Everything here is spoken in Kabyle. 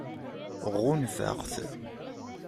Ɣunfaɣ-t.